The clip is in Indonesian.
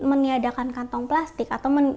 atau menjadikan kantong plastik yang tidak konsisten